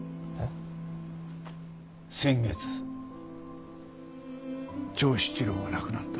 先月長七郎が亡くなった。